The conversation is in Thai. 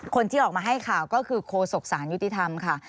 คนที่ออกมาให้ข่าวก็คือโคศกสารยุติธรรมค่ะ